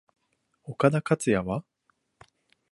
岡田克也は？